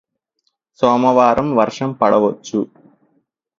సోమవారం వర్షం పడవచ్చు